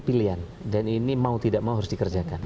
pilihan dan ini mau tidak mau harus dikerjakan